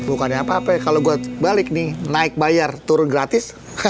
bukannya apa apa ya kalau gue balik nih naik bayar turun gratis